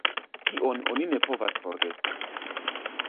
Tion oni ne povas forgesi.